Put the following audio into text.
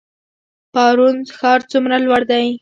پارون ښار څومره لوړ دی؟